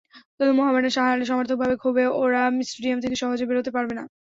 কিন্তু মোহামেডান হারলে সমর্থকদের ক্ষোভে ওরা স্টেডিয়াম থেকে সহজে বেরোতে পারবে না।